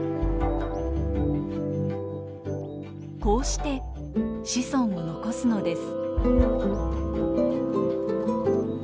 こうして子孫を残すのです。